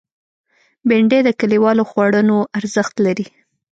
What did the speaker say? بېنډۍ د کلیوالو خوړونو ارزښت لري